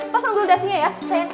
pasang dulu dasinya ya